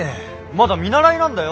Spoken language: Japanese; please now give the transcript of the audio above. まだ見習いなんだよ？